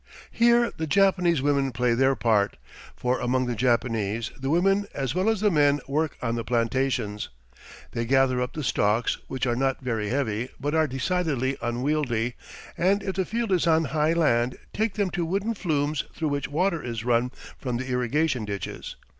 Here the Japanese women play their part for, among the Japanese, the women as well as the men work on the plantations. They gather up the stalks, which are not very heavy but are decidedly unwieldy, and if the field is on high land take them to wooden flumes through which water is run from the irrigation ditches.